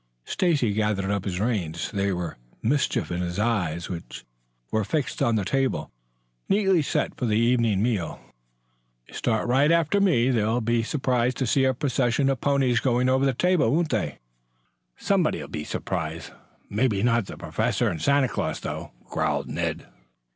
Stacy gathered up his reins. There was mischief in his eyes, which were fixed on the table, neatly set for the evening meal. "You start right after me. They'll be surprised to see a procession of ponies going over the table, won't they?" "Somebody'll be surprised. May not be the Professor and Santa Claus, though," growled Ned.